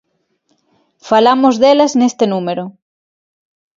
Falamos delas neste número.